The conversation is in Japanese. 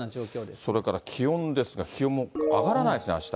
それから気温ですが、気温も上がらないですね、あした。